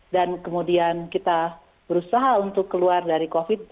dan kemudian kita berusaha untuk keluar dari covid